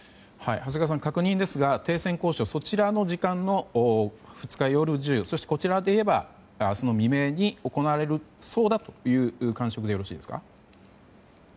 長谷川さん確認ですが、停戦交渉そちらの時間の２日夜１０時こちらでいえば、明日未明に行われるそうだという感触でよろしいですか。